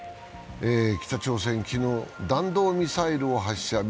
北朝鮮は昨日、弾道ミサイルを発射。